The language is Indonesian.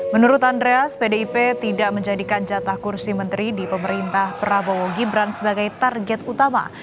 menurut andreas pdip tidak menjadikan jatah kursi menteri di pemerintah prabowo gibran sebagai target utama